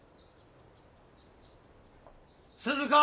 ・鈴子！